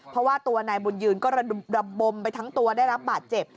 เพราะว่าตัวนายบุญยืนก็ระบมไปทั้งตัวได้รับบาดเจ็บ